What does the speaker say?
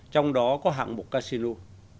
trong đó có hạng mục casino